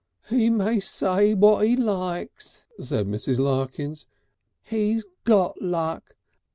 "He may say what he likes," said Mrs. Larkins, "he's got luck.